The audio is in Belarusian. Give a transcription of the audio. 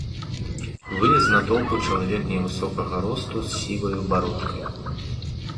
Вылез з натоўпу чалавек невысокага росту з сіваю бародкаю.